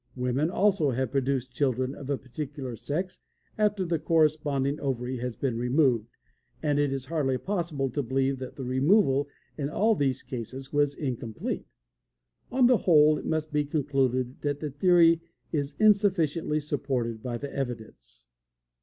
Women, also, have produced children of a particular sex after the corresponding ovary has been removed, and it is hardly possible to believe that the removal in all these cases was incomplete. On the whole it must be concluded that the theory is insufficiently supported by the evidence.